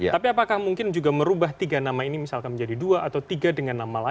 tapi apakah mungkin juga merubah tiga nama ini misalkan menjadi dua atau tiga dengan nama lain